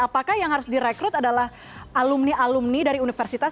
apakah yang harus direkrut adalah alumni alumni dari universitas